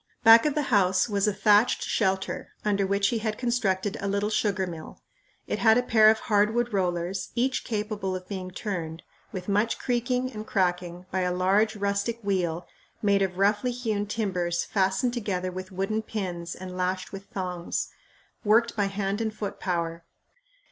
Back of the house was a thatched shelter under which he had constructed a little sugar mill. It had a pair of hardwood rollers, each capable of being turned, with much creaking and cracking, by a large, rustic wheel made of roughly hewn timbers fastened together with wooden pins and lashed with thongs, worked by hand and foot power.